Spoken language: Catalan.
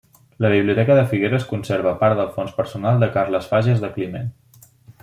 La biblioteca de Figueres conserva part del fons personal de Carles Fages de Climent.